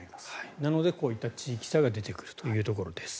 なので、こういった地域差が出てくるというところです。